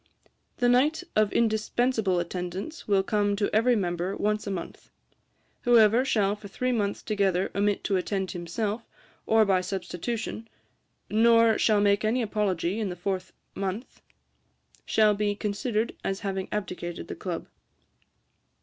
'The night of indispensable attendance will come to every member once a month. Whoever shall for three months together omit to attend himself, or by substitution, nor shall make any apology in the fourth month, shall be considered as having abdicated the Club.